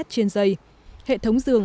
trên giây hệ thống giường